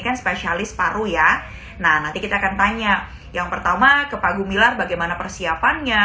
kan spesialis paru ya nah nanti kita akan tanya yang pertama ke pak gumilar bagaimana persiapannya